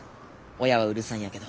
親はうるさいんやけど。